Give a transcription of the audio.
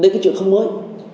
đây là cái chuyện không mới